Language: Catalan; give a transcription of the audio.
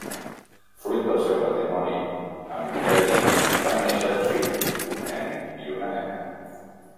Fruit del seu matrimoni amb Vitel·li van néixer dos fills, un nen i una nena.